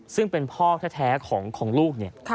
ซึ่งเป็นพ่อแท้ของลูกเนี่ย